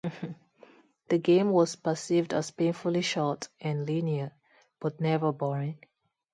The game was perceived as "painfully short" and "linear", but "never boring".